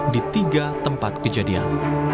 di tiga tempat kejadian